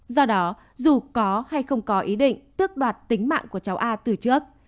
do đó dù có hay không có ý định tước đoạt tính mạng của cháu a từ trước